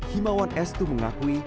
himawan estu mengakui